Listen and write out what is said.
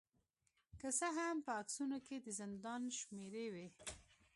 که څه هم په عکسونو کې د زندان شمیرې وې